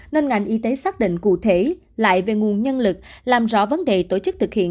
nên ngành y tế xác định cụ thể lại về nguồn nhân lực làm rõ vấn đề tổ chức thực hiện